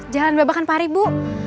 jangan bebakan pari bu